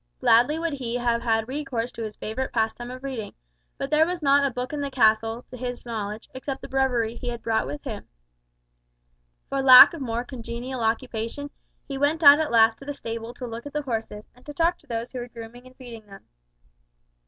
Gladly would he have had recourse to his favourite pastime of reading, but there was not a book in the castle, to his knowledge, except the breviary he had brought with him. For lack of more congenial occupation, he went out at last to the stable to look at the horses, and to talk to those who were grooming and feeding them.